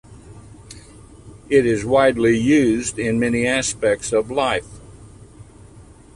It is widely used in many aspects of life.